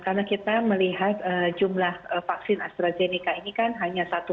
usulan dari pemerintah daerah dan kementerian terkait dalam rangka tentunya mengakselerasi